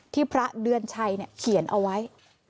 พระเดือนชัยเขียนเอาไว้